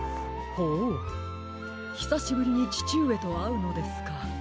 ほうひさしぶりにちちうえとあうのですか。